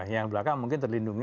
yang belakang mungkin terlindungi